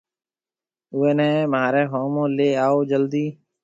اُوئي نَي مهاريَ هومون ليَ آئو جلدِي۔